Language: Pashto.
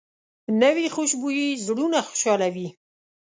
نوې خوشبويي زړونه خوشحالوي